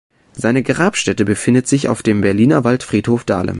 Seine Grabstätte befindet sich auf dem Berliner Waldfriedhof Dahlem.